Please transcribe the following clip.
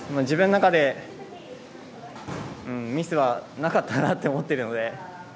自分の中でミスはなかったなと思っているので。